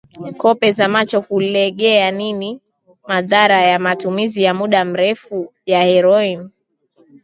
kope za macho kulegeaNini madhara ya matumizi ya muda mrefu ya heroin